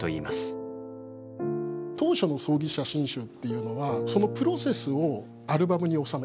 当初の葬儀写真集っていうのはそのプロセスをアルバムに収める。